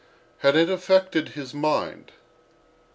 Had it affected his mind?